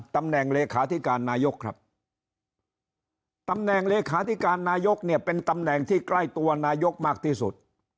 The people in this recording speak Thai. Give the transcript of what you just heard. เลขาธิการนายกครับตำแหน่งเลขาธิการนายกเนี่ยเป็นตำแหน่งที่ใกล้ตัวนายกมากที่สุด